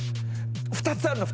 ２つあるの。